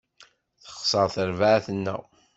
Texser terbaεt-nneɣ.